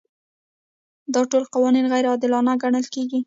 دا ټول قوانین غیر عادلانه ګڼل کیږي.